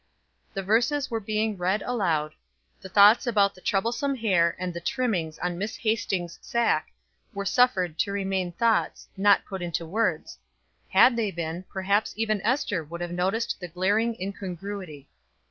The verses were being read aloud, the thoughts about the troublesome hair and the trimmings on Miss Hastings' sack were suffered to remain thoughts, not to put into words had they been perhaps even Ester would have noticed the glaring incongruity.